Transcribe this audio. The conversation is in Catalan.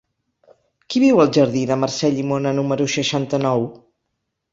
Qui viu al jardí de Mercè Llimona número seixanta-nou?